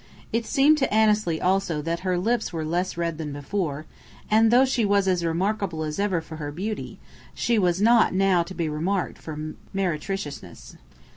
It seemed to Annesley also that her lips were less red than before; and though she was as remarkable as ever for her beauty, she was not to be remarked for meretriciousness.